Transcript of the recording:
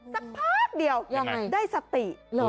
สักพักเดียวได้สติ